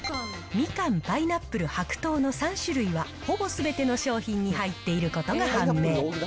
みかん、パイナップル、白桃の３種類は、ほぼすべての商品に入っていることが判明。